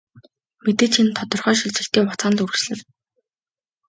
Мэдээж энэ нь тодорхой шилжилтийн хугацаанд л үргэлжилнэ.